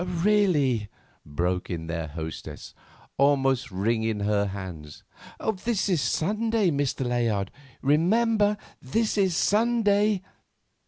"Really," broke in their hostess, almost wringing her hands, "this is Sunday, Mr. Layard; remember this is Sunday."